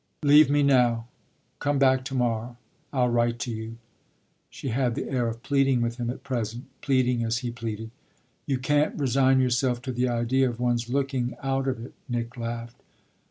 "Leave me now come back to morrow. I'll write to you." She had the air of pleading with him at present, pleading as he pleaded. "You can't resign yourself to the idea of one's looking 'out of it'!" Nick laughed.